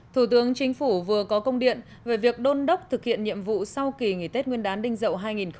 thủ tướng chính phủ vừa có công điện về việc đôn đốc thực hiện nhiệm vụ sau kỳ nghỉ tết nguyên đán đinh dậu hai nghìn hai mươi